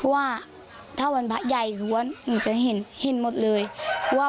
ว่าถ้าวันพระใหญ่คือว่าหนูจะเห็นเห็นหมดเลยว่า